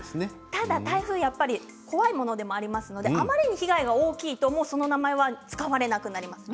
ただ台風は怖いものでもありますのであまりに被害が大きいとその名前が使われなくなります。